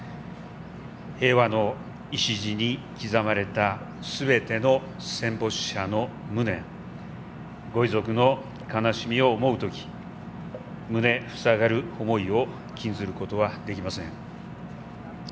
平和の礎に刻まれたすべての戦没者の無念御遺族の悲しみを思うとき胸塞がる思いを禁じることはできません。